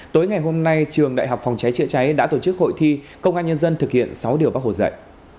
tối ngày hôm nay trường đại học phòng cháy chữa cháy đã tổ chức hội thi công an nhân dân thực hiện sáu điều bác hồ dạy